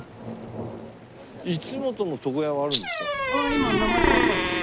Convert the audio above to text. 今名前変わったんですよ。